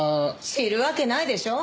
知るわけないでしょ。